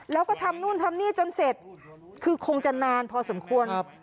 แล้วก็ทำนู่นทำนี่จนเสร็จคือคงจะนานพอสมควร